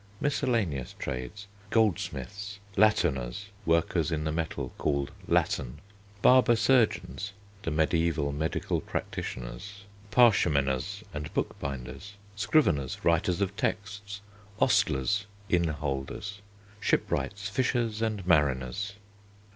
Miscellaneous Trades: Goldsmiths. Latoners (workers in the metal called latten). Barber surgeons (the mediæval medical practitioners). Parchemeners and bookbinders. Scriveners. Writers of texts. Ostlers (inn holders). Shipwrights. Fishers and mariners.